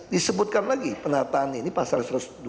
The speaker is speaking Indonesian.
disebutkan lagi penataan ini pasal satu ratus dua belas